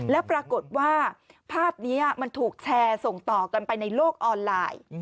แล้วปรากฏว่าภาพนี้มันถูกแชร์ส่งต่อกันไปในโลกออนไลน์